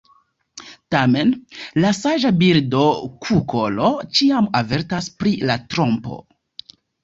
Tamen la saĝa birdo kukolo ĉiam avertas pri la trompo.